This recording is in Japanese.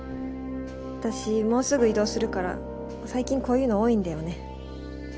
私もうすぐ異動するから最近こういうの多いんだよね。